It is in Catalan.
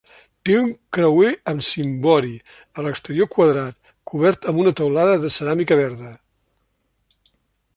Té un creuer amb cimbori, a l'exterior quadrat, cobert amb una teulada de ceràmica verda.